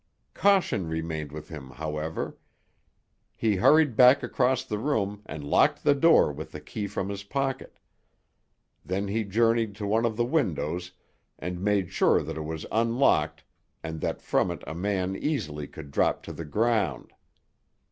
Caution remained with him, however. He hurried back across the room and locked the door with the key from his pocket. Then he journeyed to one of the windows and made sure that it was unlocked and that from it a man easily could drop to the ground.